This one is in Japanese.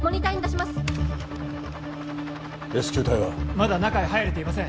まだ中へ入れていません